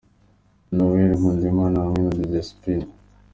Noel Nkundimana hamwe na Dj Spin.